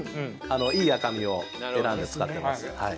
いい赤身を選んで使ってますはい。